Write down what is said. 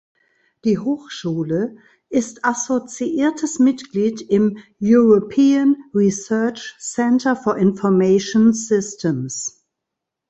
Die Hochschule ist assoziiertes Mitglied im European Research Center for Information Systems.